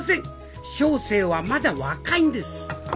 小生はまだ若いんです！